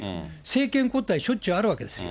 政権交代しょっちゅうあるわけです。